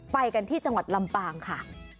ไปกันที่จังหวัดลำปางค่ะ